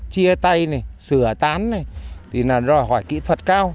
chia tay này sửa tán này thì là đòi hỏi kỹ thuật cao